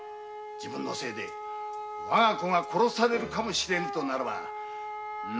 己のせいで我が子が殺されるかもしれぬとならば何でもするさ。